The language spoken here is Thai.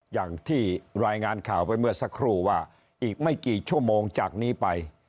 อย่างที่รายงานข่าวไปเมื่อสักครู่ว่าอีกไม่กี่ชั่วโมงจากนี้ไป